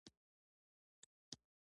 پر احمد مې پښې نه ورځي.